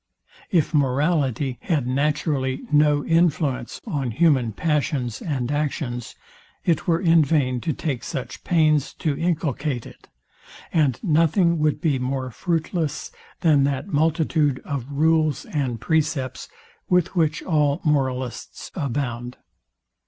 If morality had naturally no influence on human passions and actions, it were in vain to take such pains to inculcate it; and nothing would be more fruitless than that multitude of rules and precepts, with which all moralists abound.